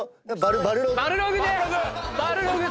バルログ。